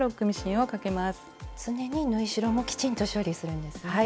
常に縫い代もきちんと処理するんですね。